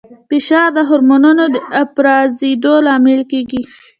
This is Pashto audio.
فشار د هورمونونو د افرازېدو لامل کېږي.